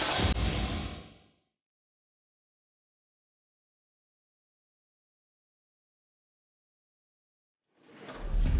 tentu saja kita bisa menemukan tuhan